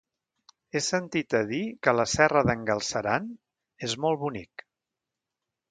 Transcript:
He sentit a dir que la Serra d'en Galceran és molt bonic.